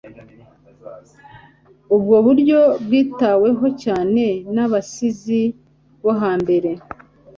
ubwo buryo bwitaweho cyane n'abasizi bo ha mbere